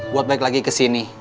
buat balik lagi kesini